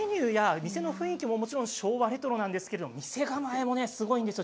このメニューや店の雰囲気ももちろん昭和レトロなんですが店構えもすごいですよ。